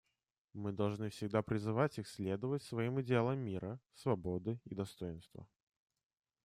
Мы должны всегда призывать их следовать своим идеалам мира, свободы и достоинства.